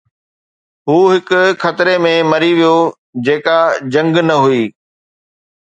هو هڪ خطري ۾ مري ويو، جيڪا جنگ نه هئي